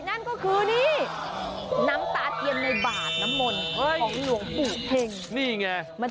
นั่นก็คือนี่น้ำตาเทียนในบาดน้ำมนต์ของหลวงปู่เพ็งนี่ไง